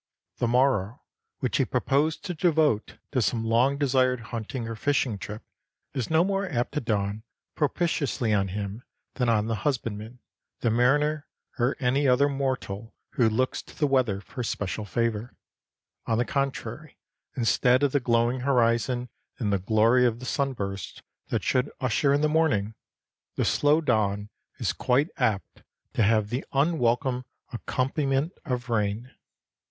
The morrow, which he proposed to devote to some long desired hunting or fishing trip, is no more apt to dawn propitiously on him than on the husbandman, the mariner, or any other mortal who looks to the weather for special favor. On the contrary, instead of the glowing horizon and the glory of the sunburst that should usher in the morning, the slow dawn is quite apt to have the unwelcome accompaniment of rain.